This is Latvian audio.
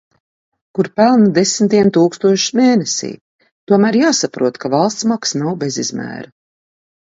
Kur pelna desmitiem tūkstošus mēnesī. Tomēr jāsaprot, ka valsts maks nav bezizmēra.